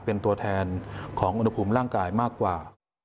เป็นตัวแทนของอุณหภูมิร่างกายมากกว่า